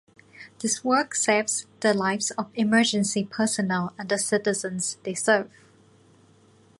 This work saves the lives of emergency personnel and the citizens they serve.